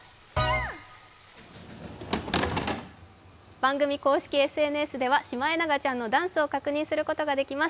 番組公式ＳＮＳではシマエナガちゃんのダンスを確認することができます。